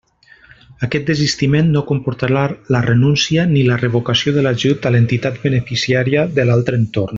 Aquest desistiment no comportarà la renúncia ni la revocació de l'ajut a l'entitat beneficiària de l'altre entorn.